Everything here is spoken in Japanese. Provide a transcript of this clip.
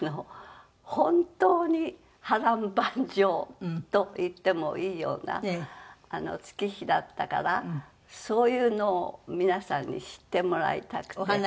本当に波瀾万丈といってもいいような月日だったからそういうのを皆さんに知ってもらいたくて。